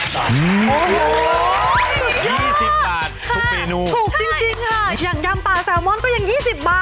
สุดยอดค่ะถูกจริงค่ะอย่างยำปลาแซลมอนก็ยัง๒๐บาท